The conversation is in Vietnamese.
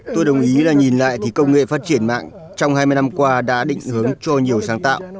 tôi đồng ý là nhìn lại thì công nghệ phát triển mạng trong hai mươi năm qua đã định hướng cho nhiều sáng tạo